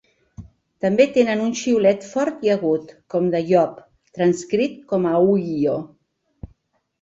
També tenen un xiulet fort i agut, com de llop, transcrit com a "uiio".